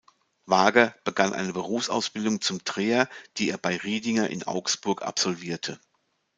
Wager begann eine Berufsausbildung zum Dreher, die er bei Riedinger in Augsburg absolvierte.